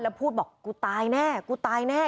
แล้วพูดก็ตายแน่